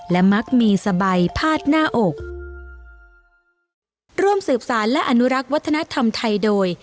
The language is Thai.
และมักมีสบายพาดหน้าอกร่วมสืบสารและอนุรักษ์วัฒนธรรมไทยโดย